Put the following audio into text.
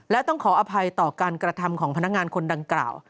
และต้องขออภัยต่อการกระทำของพนักงานคนดังกล่าว